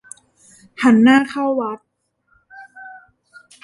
หันหน้าเข้าวัด